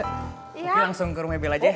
oke langsung ke rumah bella aja